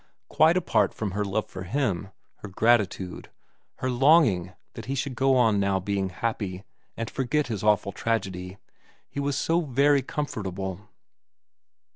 Quite apart from her love for him, her gratitude, her longing that he should go on now being happy and forget his awful tragedy, he was so very comfortable.